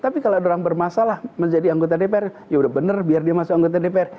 tapi kalau ada orang bermasalah menjadi anggota dpr yaudah benar biar dia masuk anggota dpr